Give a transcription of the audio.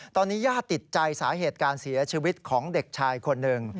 ตอนนี้ญาติติดใจสาเหตุการเสียชีวิตของเด็กชายคนหนึ่ง